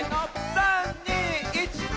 ３２１！わ！